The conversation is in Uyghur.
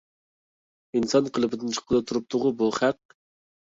ئىنسان قېلىپىدىن چىققىلى تۇرۇپتىغۇ بۇ خەق.